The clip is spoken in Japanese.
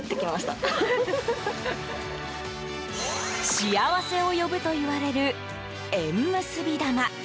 幸せを呼ぶといわれる縁結び玉。